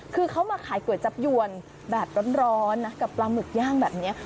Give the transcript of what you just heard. คือเขามาขายก๋วยจับยวนแบบร้อนนะกับปลาหมึกย่างแบบนี้